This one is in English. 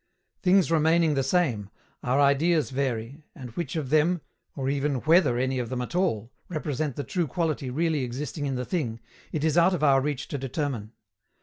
Things remaining the same, our ideas vary, and which of them, or even whether any of them at all, represent the true quality really existing in the thing, it is out of our reach to determine.